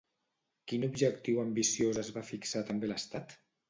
Quin objectiu ambiciós es va fixar també l'Estat?